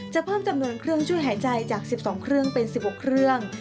จะเพิ่มจำนวนเครื่องช่วยหายใจจากสิบสองเครื่องเป็นสิบหกเครื่อง